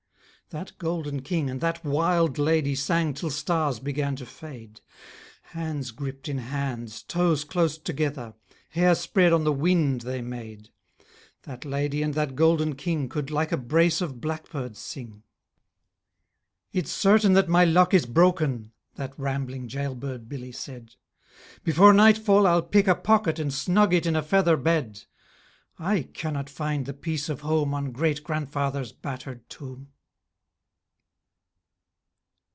That golden king and that wild lady Sang till stars began to fade, Hands gripped in hands, toes close together, Hair spread on the wind they made; That lady and that golden king Could like a brace of blackbirds sing. 'It's certain that my luck is broken,' That rambling jailbird Billy said; 'Before nightfall I'll pick a pocket And snug it in a feather bed, I cannot find the peace of home On great grandfather's battered tomb.'